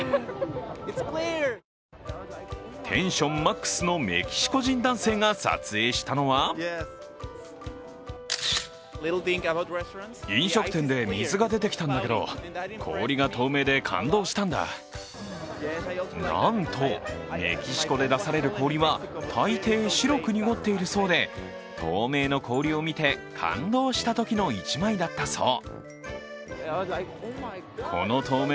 テンションマックスのメキシコ人男性が撮影したのはなんとメキシコで出される氷は大抵、白く濁っているそうで透明の氷を見て感動したときの１枚だったそう。